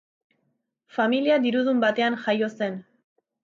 Familia dirudun batean jaio zen.